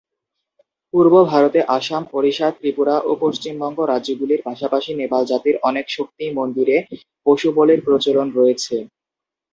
পূর্ব ভারতে আসাম, ওড়িশা, ত্রিপুরা ও পশ্চিমবঙ্গ রাজ্যগুলির পাশাপাশি নেপাল জাতির অনেক শক্তি মন্দিরে পশু বলির প্রচলন রয়েছে।